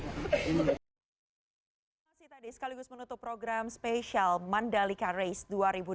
terima kasih tadi sekaligus menutup program spesial mandalika race dua ribu dua puluh